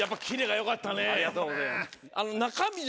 ありがとうございます。